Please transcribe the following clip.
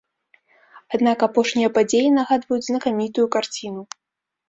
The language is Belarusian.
Аднак апошнія падзеі нагадваюць знакамітую карціну.